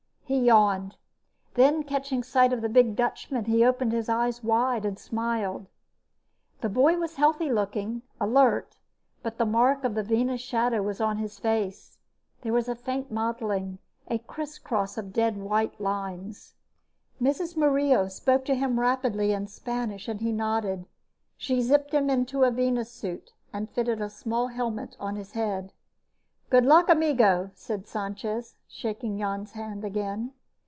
He yawned. Then, catching sight of the big Dutchman, he opened his eyes wide and smiled. The boy was healthy looking, alert, but the mark of the Venus Shadow was on his face. There was a faint mottling, a criss cross of dead white lines. Mrs. Murillo spoke to him rapidly in Spanish and he nodded. She zipped him into a venusuit and fitted a small helmet on his head. "Good luck, amigo," said Sanchez, shaking Jan's hand again.